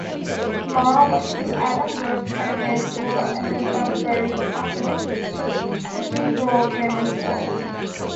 Small went to Adam Road Primary School and then Bunbury Cathedral Grammar School.